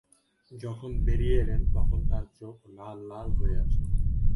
যখন বেরিয়ে এলেন, তখন তাঁর চোখ লাল হয়ে আছে।